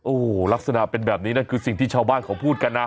โอ้โหลักษณะเป็นแบบนี้นั่นคือสิ่งที่ชาวบ้านเขาพูดกันนะ